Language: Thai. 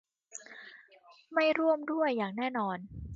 ไม่ร่วมด้วยอย่างแน่นอน